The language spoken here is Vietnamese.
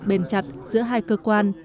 bền chặt giữa hai cơ quan